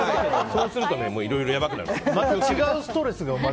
そうするといろいろやばくなる。